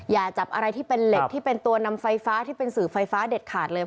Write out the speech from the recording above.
อย่าจับอะไรที่เป็นเหล็กที่เป็นตัวนำไฟฟ้าที่เป็นสื่อไฟฟ้าเด็ดขาดเลย